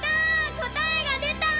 こたえが出た！